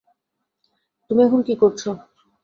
তুমি এখন কি করছো?